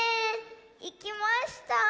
いきました。